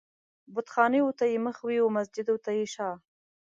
بتخانې و ته يې مخ وي و مسجد و ته يې شا